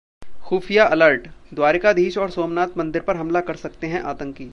खुफिया अलर्ट: द्वारिकाधीश और सोमनाथ मंदिर पर हमला कर सकते हैं आतंकी